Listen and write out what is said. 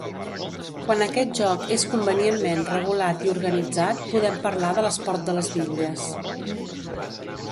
Quan aquest joc és convenientment regulat i organitzat podem parlar de l'esport de les bitlles.